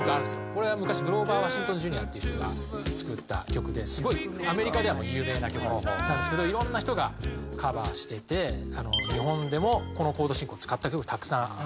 これは昔グローヴァー・ワシントンＪＲ．っていう人が作った曲ですごいアメリカではもう有名な曲なんですけどいろんな人がカバーしてて日本でもこのコード進行を使った曲がたくさん。